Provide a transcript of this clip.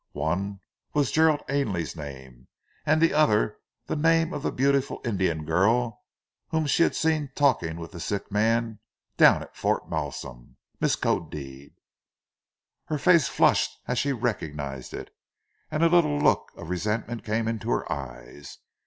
One was Gerald Ainley's name, and the other the name of the beautiful Indian girl whom she had seen talking with the sick man down at Fort Malsun Miskodeed. Her face flushed as she recognized it, and a little look of resentment came in her eyes.